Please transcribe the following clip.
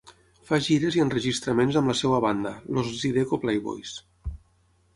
Fa gires i enregistraments amb la seva banda, els Zydeco Playboys.